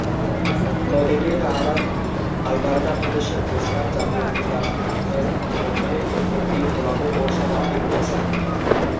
নদীটির কানাডার আলবার্টা প্রদেশের জেসপার জাতীয় উদ্যানের মধ্যে উৎপত্তি, প্রবাহ ও সমাপ্তি ঘটেছে।